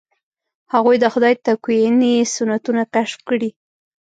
هغوی د خدای تکویني سنتونه کشف کړي.